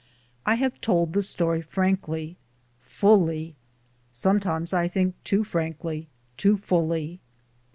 I have told the story frankly, fully; sometimes I think too frankly, too fully.